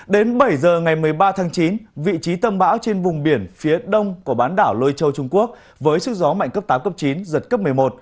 đến bảy giờ ngày một mươi ba tháng chín vị trí tâm bão trên vùng biển phía đông của bán đảo lôi châu trung quốc với sức gió mạnh cấp tám cấp chín giật cấp một mươi một